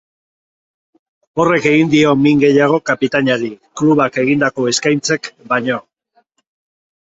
Horrek egin dio min gehiago kapitainari, klubak egindako eskaintzek baino.